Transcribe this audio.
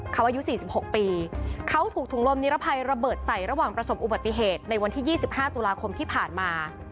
เขาอายุ๔๖ปีเขาถูกถุงลมนิรภัยระเบิดใส่ระหว่างประสบอุบัติเหตุในวันที่๒๕ตุลาคมที่ผ่านมา